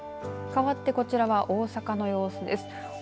かわってこちらは大阪の様子です。